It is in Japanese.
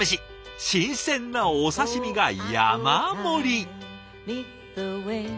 新鮮なお刺身が山盛り！